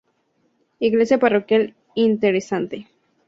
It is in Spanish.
Iglesia parroquial interesante.